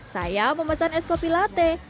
saya memesan es kopi latte